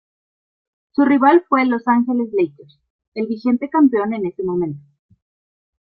Su rival fue Los Angeles Lakers, el vigente campeón en ese momento.